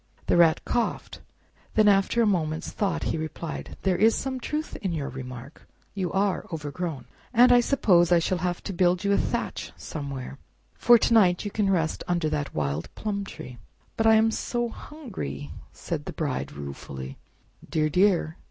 The Rat coughed; then after a moment's thought he replied, "There is some truth in your remark—you are overgrown, and I suppose I shall have to build you a thatch somewhere, For to night you can rest under that wild plum tree." "But I am so hungry!" said the Bride ruefully. "Dear, dear!